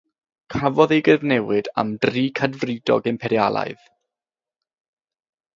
Cafodd ei gyfnewid am dri cadfridog imperialaidd.